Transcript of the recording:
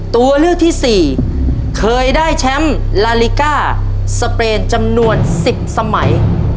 ตัวเลือกที่สี่เคยได้แชมป์ลาลิก้าสเปนจำนวน๑๐สมัย